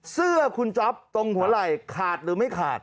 เสื้อคุณจ๊อปตรงหัวไหล่ขาดหรือไม่ขาด